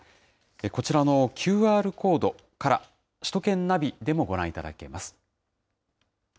こちらのＱＲコードから首都圏ナビでもご覧いただけます。